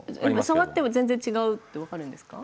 触っても全然違うって分かるんですか？